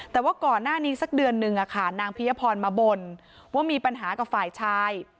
แต่ว่าก่อนหน้านี้สักเดือนนึงนางพิยพรมาบ่นว่ามีปัญหากับฝ่ายชาย